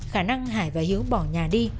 khả năng hải và hiếu bỏ nhà đi